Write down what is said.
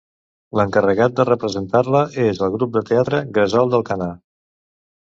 L'encarregat de representar-la és el grup de teatre Gresol d'Alcanar.